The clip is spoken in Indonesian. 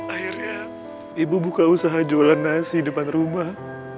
akhirnya ibu buka usaha jualan nasi depan rumah